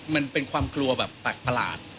มันเป็นความกลัวแบบแปลกประหลาด